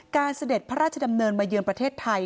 เสด็จพระราชดำเนินมาเยือนประเทศไทย